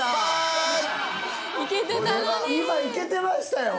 今いけてましたよ。